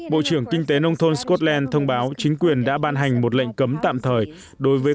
bộ trưởng kinh tế nông thôn scotland thông báo chính quyền đã ban hành một lệnh cấm tạm thời đối với